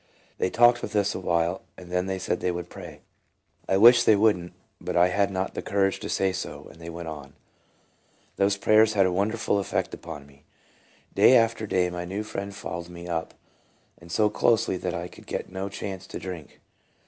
They talked with us a while, and then said they would pray. I wished they would n't, but I had not the courage to say so, and they went on. Those prayers had a wonderful effect upon me. Day after day my new friend followed me up, and so closely that I could get no chance to drink.